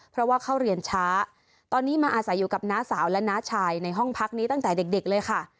เพราะว่าเข้าเรียนช้าตอนนี้มาอาศัยอยู่กับน้าสาวและน้าชายในห้องพักนี้ตั้งแต่เด็กเลยค่ะ